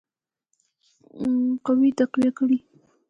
قواوي تقویه کړي.